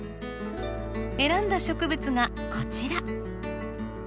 選んだ植物がこちら。